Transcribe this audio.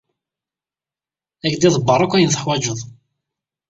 Ad k-d-iḍebber akk ayen teḥwaǧeḍ.